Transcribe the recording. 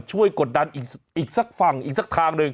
กดดันอีกสักฝั่งอีกสักทางหนึ่ง